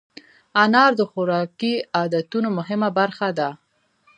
انار د خوراکي عادتونو مهمه برخه ده.